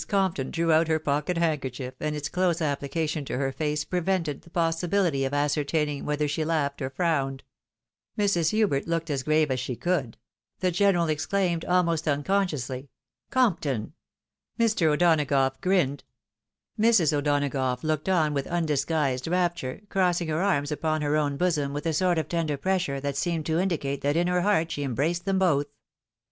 Compton drew out her pocket handkerchief, and its close application to her face prevented the possibility of ascer taining whether she laughed or frowned. Mrs. Hubert looked as grave as she could ; the general exclaimed, almost uncon eciously, " Compton 1 " Mr. O'Donagough grinned ; Mrs. "^ec^yTf a^ /yTz^iyzy^i^e^^i/ ^%i^ 4s#^^ .yfc'''^/' 'l/'vy7^<zrp>//^ AN ENVIABLE POSITION. 171 O'Donagough looked on with undisguised rapture, crossing her arms upon her own bosom, with a sort of tender pressure that seemed to indicate that in her heart she embraced them both.